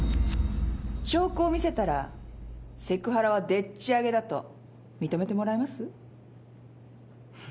証拠を見せたらセクハラはでっちあげだと認めてもらえます？